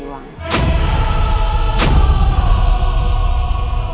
selamat berjumpa dua hari ke depan